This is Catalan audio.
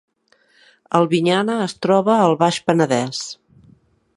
Albinyana es troba al Baix Penedès